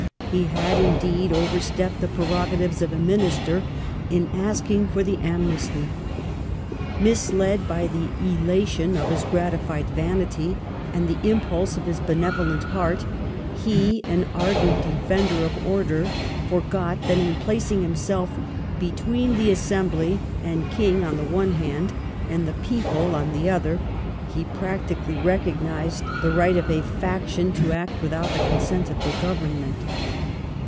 He had, indeed, overstepped the prerogatives of a Minister in asking for the amnesty. Misled by the elation of his gratified vanity and the impulse of his benevolent heart, he, an ardent defender of order, forgot that in placing himself between the Assembly and King on the one hand and the people on the other, he practically recognized the right of a faction to act without the consent of the Government.